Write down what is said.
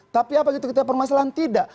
tapi apa itu kita permasalahan tidak